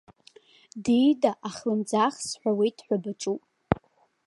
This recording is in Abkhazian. Диида, ахлымӡаах сҳәауеит ҳәа баҿуп.